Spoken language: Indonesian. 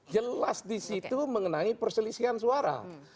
jelas di situ mengenai perselisihan suara